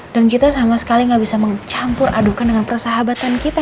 dan kita sama sekali gak bisa mencampur adukan dengan persahabatan kita